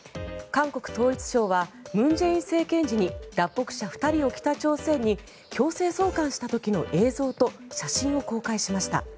韓国統一省は文在寅政権時に脱北者２人を北朝鮮に強制送還した時の映像と写真を公開しました。